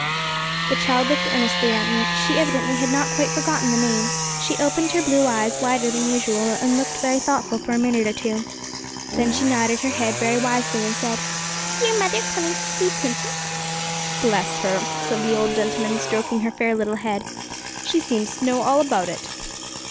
The child looked earnestly at me; she evidently had not quite forgotten the name. She opened her blue eyes wider than usual, and looked very thoughtful for a minute or two. Then she nodded her head very wisely, and said, 'Dear mother coming to see Timpey?' 'Bless her!' said the old gentleman, stroking her fair little head; 'she seems to know all about it.'